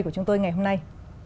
của chúng tôi ngày hôm nay